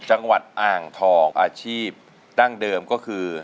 จังหวัดอ่างทองอาชีพดั้งเดิมก็คือ